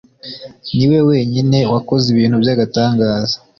ni we wenyine wakoze ibintu by'agatangaza